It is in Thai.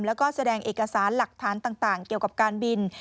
แล้วก็แสดงเอกสารหลักฐานต่างเกี่ยวกับการบิน